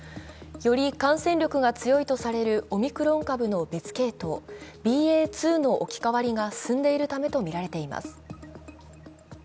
より感染力が強いとされるオミクロン株の別系統、ＢＡ．２への置き換わりが進んでいるためとみられています。